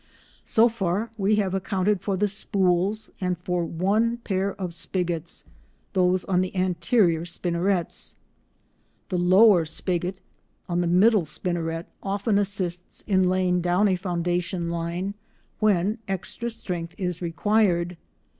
So far we have accounted for the spools, and for one pair of spigots—those on the anterior spinnerets. The lower spigot (b) on the middle spinneret often assists in laying down a foundation line when extra strength is required.